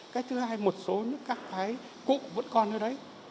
cái thứ hai một số những các cái cụ vẫn còn ở đấy